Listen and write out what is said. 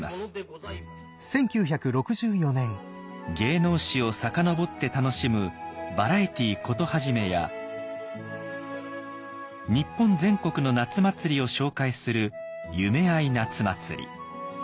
芸能史を遡って楽しむ「バラエティ事始め」や日本全国の夏祭りを紹介する「夢あい夏祭り」。